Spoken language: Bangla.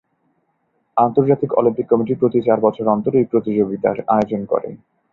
আন্তর্জাতিক অলিম্পিক কমিটি প্রতি চার বছর অন্তর এই প্রতিযোগিতার আয়োজন করে।